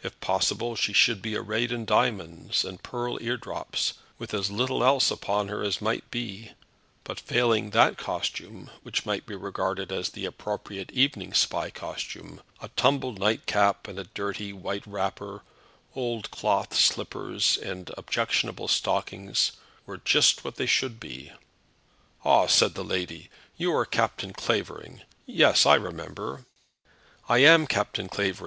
If possible, she should be arrayed in diamonds, and pearl ear drops, with as little else upon her as might be; but failing that costume, which might be regarded as the appropriate evening spy costume, a tumbled nightcap, and a dirty white wrapper, old cloth slippers, and objectionable stockings were just what they should be. "Ah!" said the lady, "you are Captain Clavering. Yes, I remember." "I am Captain Clavering.